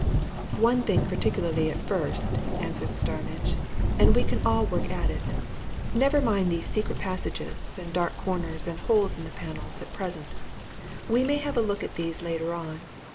"One thing particularly at first," answered Starmidge. "And we can all work at it. Never mind these secret passages and dark corners and holes in the panels! at present: we may have a look at these later on.